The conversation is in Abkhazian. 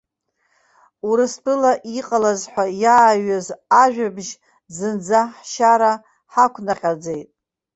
Урыстәылан иҟалаз ҳәа иааҩыз ажәабжь зынӡа ҳшьара ҳаақәнаҟьаӡеит.